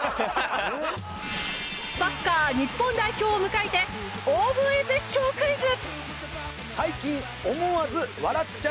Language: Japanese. サッカー日本代表を迎えて大声絶叫クイズ！